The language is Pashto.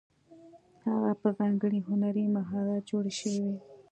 هغه په ځانګړي هنري مهارت جوړې شوې وې.